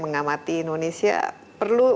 mengamati indonesia perlu